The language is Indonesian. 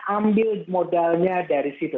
ambil modalnya dari situ